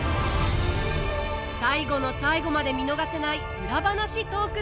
最後の最後まで見逃せないウラ話トーク